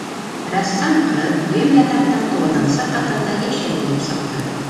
Рәссам ҡыҙ дөйөм ятаҡтың туғыҙынсы ҡатында йәшәй булып сыҡты.